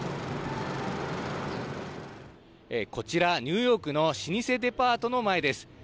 こちら、ニューヨークの老舗デパートの前です。